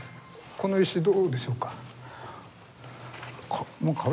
この石どうでしょうか？